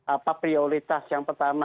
apa prioritas yang pertama